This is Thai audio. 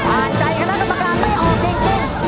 อ่านใจคณะกรรมการไม่ออกจริง